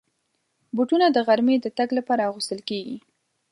بوټونه د غرمې د تګ لپاره اغوستل کېږي.